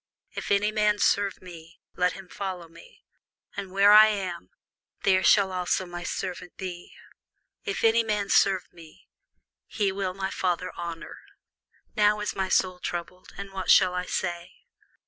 If any man serve me, let him follow me; and where I am, there shall also my servant be: if any man serve me, him will my Father honour. Now is my soul troubled; and what shall I say?